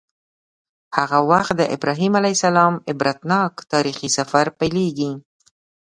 هغه وخت د ابراهیم علیه السلام عبرتناک تاریخي سفر پیلیږي.